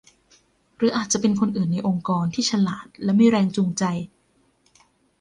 หรืออาจจะเป็นคนอื่นในองค์กรที่ฉลาดและมีแรงจูงใจ